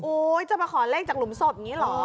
จะมาขอเลขจากหลุมศพอย่างนี้เหรอ